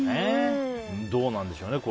どうなんでしょうね